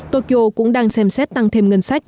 tokyo cũng đang xem xét tăng thêm ngân sách